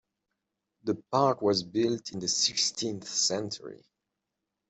The park was built in the sixteenth century.